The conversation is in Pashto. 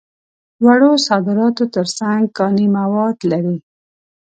وړو صادراتو تر څنګ کاني مواد لري.